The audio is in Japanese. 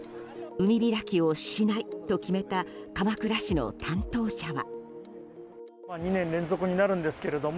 海開きをしないと決めた鎌倉市の担当者は。